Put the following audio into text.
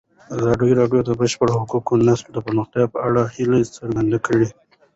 ازادي راډیو د د بشري حقونو نقض د پرمختګ په اړه هیله څرګنده کړې.